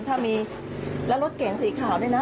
ถ้ามีรถเก่งสีขาวด้วยนะ